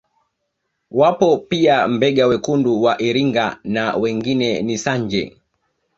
Wapo pia Mbega wekundu wa Iringa na wengine ni Sanje